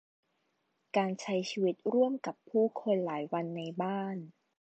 การใช้ชีวิตร่วมกับผู้คนหลายวันในบ้าน